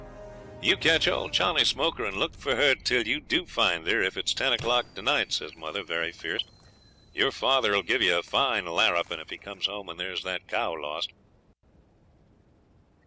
'"You catch old Johnny Smoker and look for her till you do find her, if it's ten o'clock to night," says mother, very fierce. "Your father'll give you a fine larrupin' if he comes home and there's that cow lost."